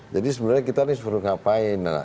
jadi sebenarnya kita perlu ngapain